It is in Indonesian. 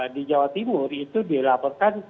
di jawa timur itu dilaporkan